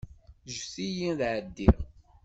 Ǧǧet-iyi ad ɛeddiɣ.